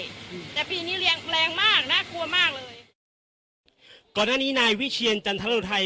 อืมแต่ปีนี้แรงแรงมากน่ากลัวมากเลยก่อนหน้านี้นายวิเชียรจันทรรุไทย